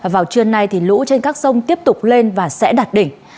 vào trưa nay lũ trên các sông tiếp tục lên và sẽ đạt đỉnh